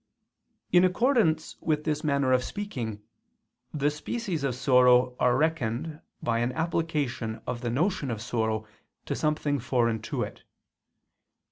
In accordance with this manner of speaking, the species of sorrow are reckoned by an application of the notion of sorrow to something foreign to it.